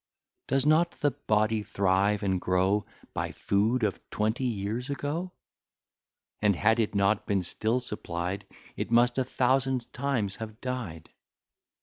Does not the body thrive and grow By food of twenty years ago? And, had it not been still supplied, It must a thousand times have died.